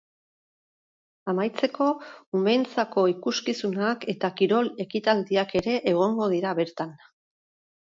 Amaitzeko, umeentzako ikuskizunak eta kirol ekitaldiak ere egongo dira bertan.